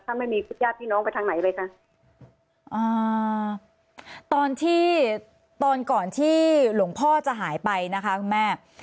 ถ้าไม่มีญาติพี่น้องไปทางไหนเลยค่ะอ่าตอนที่ตอนก่อนที่หลวงพ่อจะหายไปนะคะคุณแม่